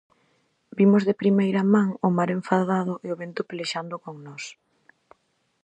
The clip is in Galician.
Vimos de primeira man o mar enfadado e o vento pelexando con nós.